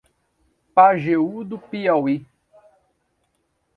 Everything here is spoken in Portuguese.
Pajeú do Piauí